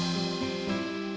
aku mau jadi pacar